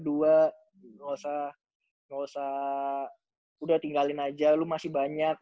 gue gak usah udah tinggalin aja lu masih banyak